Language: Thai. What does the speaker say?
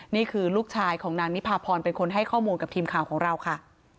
นี่คือลูกชายของนางนิพาพรเป็นคนให้ข้อมูลกับทีมข่าวของเราค่ะ